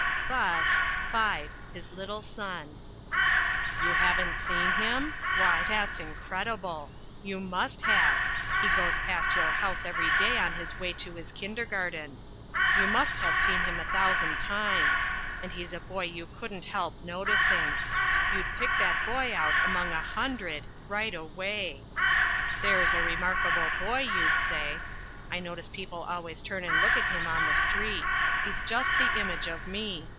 BUT, (V) HIS LITTLE SON You haven't seen him? Why, that's incredible. You must have. He goes past your house every day on his way to his kindergarten. You must have seen him a thousand times. And he's a boy you couldn't help noticing. You'd pick that boy out among a hundred, right away. "There's a remarkable boy," you'd say. I notice people always turn and look at him on the street. He's just the image of me.